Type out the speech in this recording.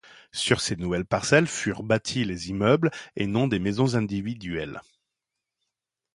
Sur ces nouvelles parcelles furent bâtis les immeubles et non des maisons individuelles.